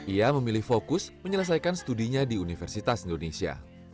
ia memilih fokus menyelesaikan studinya di universitas indonesia